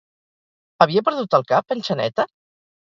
Havia perdut el cap, en Xaneta?